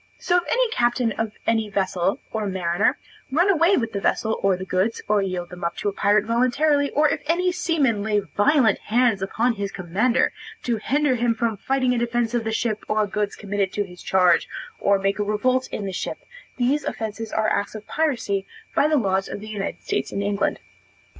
So if any captain of any vessel, or mariner, run away with the vessel, or the goods, or yield them up to a pirate voluntarily, or if any seaman lay violent hands on his commander, to hinder him from fighting in defence of the ship or goods committed to his charge, or make a revolt in the ship, these offences are acts of piracy, by the laws of the United States and England.